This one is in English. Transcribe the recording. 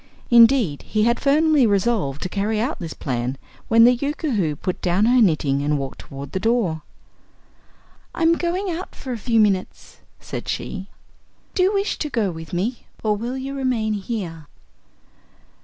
Indeed, he had firmly resolved to carry out this plan when the Yookoohoo put down her knitting and walked toward the door. "I'm going out for a few minutes," said she; "do you wish to go with me, or will you remain here?"